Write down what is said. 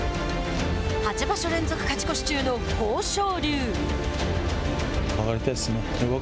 八場所連続勝ち越し中の豊昇龍。